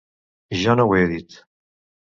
Jo no ho he dit.